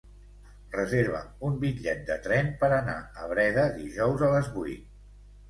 Reserva'm un bitllet de tren per anar a Breda dijous a les vuit.